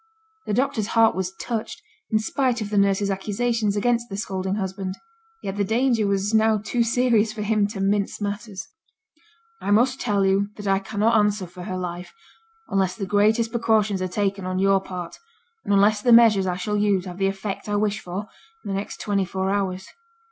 The doctor's heart was touched, in spite of the nurse's accusations against the scolding husband. Yet the danger was now too serious for him to mince matters. 'I must tell you that I cannot answer for her life, unless the greatest precautions are taken on your part, and unless the measures I shall use have the effect I wish for in the next twenty four hours.